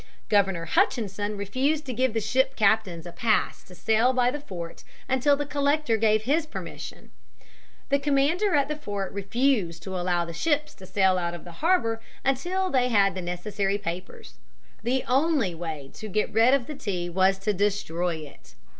Governor Hutchinson refused to give the ship captains a pass to sail by the fort until the collector gave his permission. The commander at the fort refused to allow the ships to sail out of the harbor until they had the necessary papers. The only way to get rid of the tea was to destroy it.